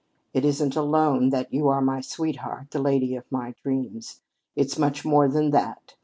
It isn't alone that you are my sweetheart the lady of my dreams. It's much more than that.